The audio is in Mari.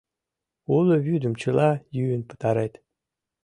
Уло вӱдым чыла йӱын пытарет!